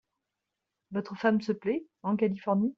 Votre femme se plait en Californie ?